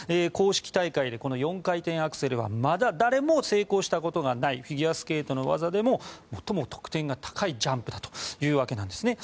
公式大会で４回転アクセルはまだ誰も成功したことがないフィギュアスケートの技でも最も得点が高いジャンプなわけです。